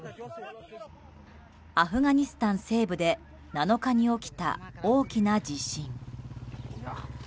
アフガニスタン西部で７日に起きた大きな地震。